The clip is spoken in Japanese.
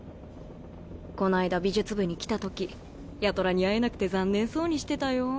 こないだ美術部に来たとき八虎に会えなくて残念そうにしてたよ。